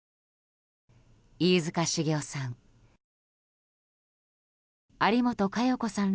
飯塚繁雄さん